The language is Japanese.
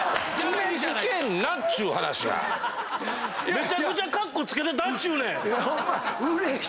めちゃくちゃカッコつけてたっちゅうねん！